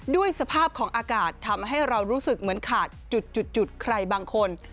ด้วยสภาพของอากาศทำให้เรารู้สึกเหมือนขาดจุดใครบางคน